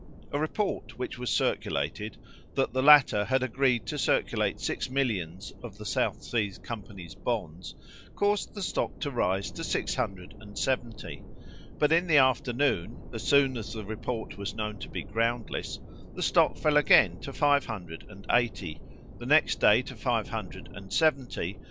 A report which was circulated, that the latter had agreed to circulate six millions of the South Sea company's bonds, caused the stock to rise to six hundred and seventy; but in the afternoon, as soon as the report was known to be groundless, the stock fell again to five hundred and eighty; the next day to five hundred and seventy, and so gradually to four hundred.